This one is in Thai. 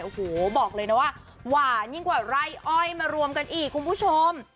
โอ้โหบอกเลยนะว่าหวานยิ่งกว่าไร่อ้อยมารวมกันอีกคุณผู้ชม